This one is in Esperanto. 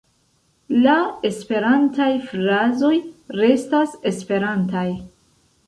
La esperantaj frazoj restas esperantaj.